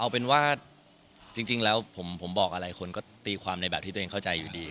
เอาเป็นว่าจริงแล้วผมบอกอะไรคนก็ตีความในแบบที่ตัวเองเข้าใจอยู่ดี